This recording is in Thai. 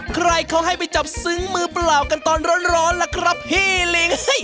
ใครเขาให้ไปจับซึ้งมือเปล่ากันตอนร้อนล่ะครับพี่ลิง